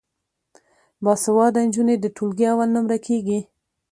باسواده نجونې د ټولګي اول نمره کیږي.